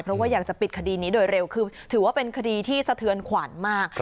เพราะว่าอยากจะปิดคดีนี้โดยเร็วคือถือว่าเป็นคดีที่สะเทือนขวัญมาก